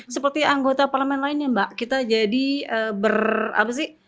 seperti anggota parlamen lain ya mbak kita jadi berapa sih